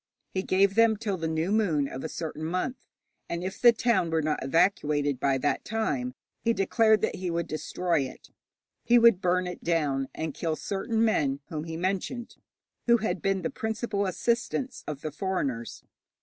He gave them till the new moon of a certain month, and if the town were not evacuated by that time he declared that he would destroy it. He would burn it down, and kill certain men whom he mentioned, who had been the principal assistants of the foreigners.